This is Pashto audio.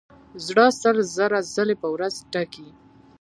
زړه سل زره ځلې په ورځ ټکي.